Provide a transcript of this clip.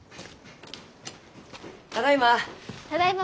ただいま。